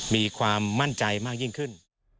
มีความมั่นใจมากยิ่งขึ้น